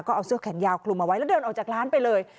ก็เอาเสื้อแขนยาวคลุมเอาไว้แล้วเดินออกจากร้านไปเลย